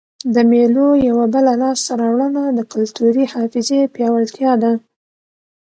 د مېلو یوه بله لاسته راوړنه د کلتوري حافظې پیاوړتیا ده.